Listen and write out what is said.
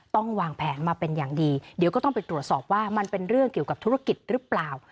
วางแผนมาเป็นอย่างดีเดี๋ยวก็ต้องไปตรวจสอบว่ามันเป็นเรื่องเกี่ยวกับธุรกิจหรือเปล่า